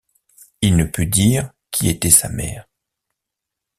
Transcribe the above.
Il ne put dire qui était sa mère.